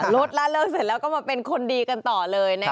ลดละเลิกเสร็จแล้วก็มาเป็นคนดีกันต่อเลยนะคะ